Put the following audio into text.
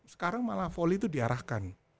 sekarang malah volley itu diarahkan